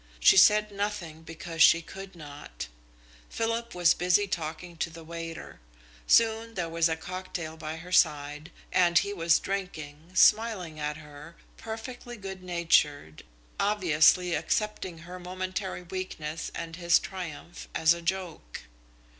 She said nothing because she could not. Philip was busy talking to the waiter. Soon there was a cocktail by her side, and he was drinking, smiling at her, perfectly good natured, obviously accepting her momentary weakness and his triumph as a joke.